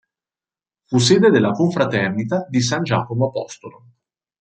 Fu sede della confraternita di san Giacomo apostolo.